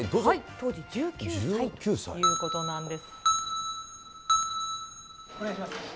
当時１９歳ということなんです。